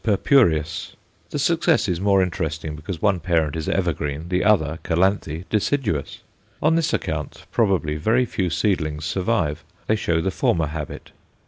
purpureus_. The success is more interesting because one parent is evergreen, the other, Calanthe, deciduous. On this account probably very few seedlings survive; they show the former habit.